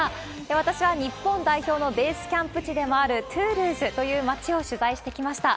私は日本代表のベースキャンプ地でもある、トゥールーズという町を取材してきました。